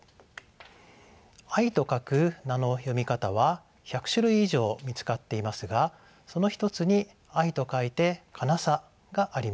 「愛」と書く名の読み方は１００種類以上見つかっていますがその一つに「愛」と書いて「かなさ」があります。